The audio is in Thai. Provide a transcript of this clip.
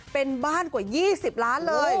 เป็นบ้านกว่า๒๐ล้านเลย